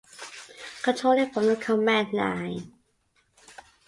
Control it from the command line